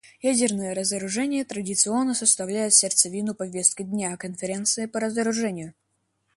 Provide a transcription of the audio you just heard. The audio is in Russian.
Ядерное разоружение традиционно составляет сердцевину повестки дня Конференции по разоружению.